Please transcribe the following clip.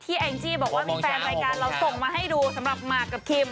แองจี้บอกว่ามีแฟนรายการเราส่งมาให้ดูสำหรับหมากกับคิม